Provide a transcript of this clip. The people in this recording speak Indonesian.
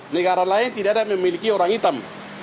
negara lain tidak ada memiliki orang hitam